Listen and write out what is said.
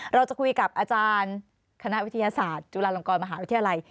เราจะคุยกับอาจารย์คณะวิทยาศาสตร์จุฬาลงกรมหาวิทยาลัย